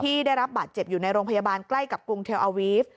ได้รับบาดเจ็บอยู่ในโรงพยาบาลใกล้กับกรุงเทลอาวีฟ